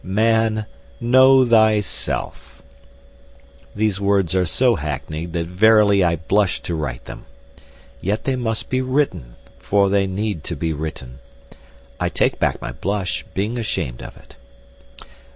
Man, know thyself. These words are so hackneyed that verily I blush to write them. Yet they must be written, for they need to be written. (I take back my blush, being ashamed of it.)